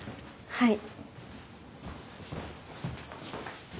はい。